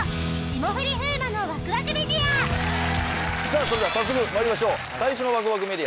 さぁそれでは早速まいりましょう。